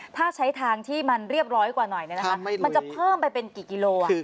ถ้าใช้ทางที่มันเรียบร้อยกว่าหน่อยมันจะเพิ่มไปเป็นกี่กิโล